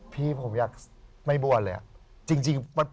พี่ผมอยากไม่บวชเลย